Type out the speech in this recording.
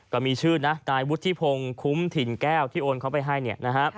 ก็มีชื่อนะนายวุฒิพงศ์คุ้มถิ่นแก้วที่โอนเขาไปให้เนี่ยนะฮะ